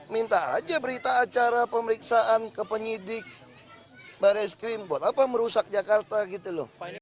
minta aja berita acara pemeriksaan ke penyidik baris krim buat apa merusak jakarta gitu loh